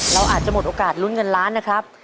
เราอาจจะหมดโอกาสลุ้นเงินล้านนะครับ